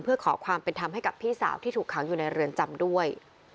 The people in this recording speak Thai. เพื่อขอความเป็นธรรมให้กับพี่สาวที่ถูกขังอยู่ในเรือนจำด้วย